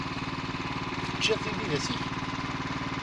Teččiḍ tibidas-ik?